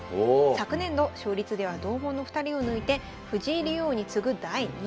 昨年度勝率では同門の２人を抜いて藤井竜王に次ぐ第２位。